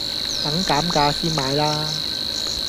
等減價先買啦